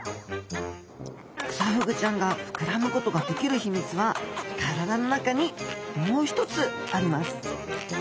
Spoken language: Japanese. クサフグちゃんが膨らむことができる秘密は体の中にもう一つあります